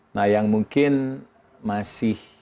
nah yang mungkin masih